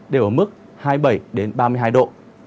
đều ở mức hai mươi bảy ba mươi hai độ